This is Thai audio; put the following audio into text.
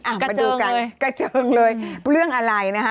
อ่ะมาดูกันกระเจิงเลยกระเจิงเลยเรื่องอะไรนะคะ